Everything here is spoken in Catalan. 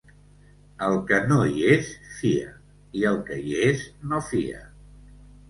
El que no hi és, fia; i el que hi és, no fia.